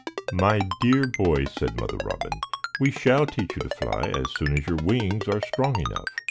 "My dear boy," said Mother Robin, "we shall teach you to fly as soon as your wings are strong enough."